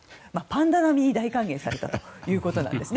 パンダ並みに大歓迎されたということなんです。